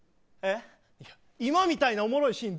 今みたいな、おもろいシーン